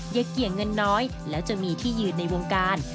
เกี่ยเงินน้อยแล้วจะมีที่ยืนในวงการ